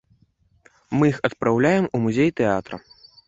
Мы іх адпраўляем у музей тэатра.